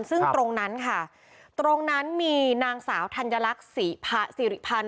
ซึ่งตรงนั้นค่ะตรงนั้นมีนางสาวธัญลักษณ์ศรีสิริพันธ์